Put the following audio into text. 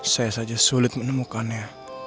saya saja sulit menemukannya